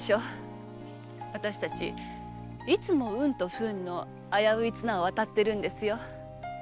私たちいつも運と不運の危うい綱を渡っているんですよ。